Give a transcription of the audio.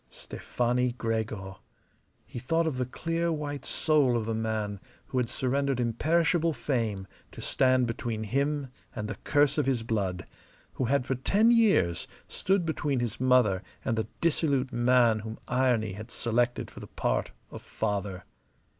Stefani Gregor! He thought of the clear white soul of the man who had surrendered imperishable fame to stand between him and the curse of his blood; who had for ten years stood between his mother and the dissolute man whom irony had selected for the part of father.